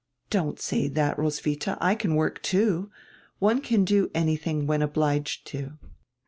"Don't say diat, Roswitha. I can work too. One can do anything when obliged to."